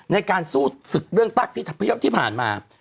ในการสู้ศึกเรื่องตรักที่พระเจ้าที่ผ่านมา